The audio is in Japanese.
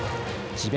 智弁